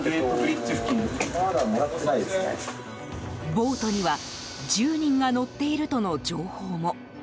ボートには１０人が乗っているとの情報も。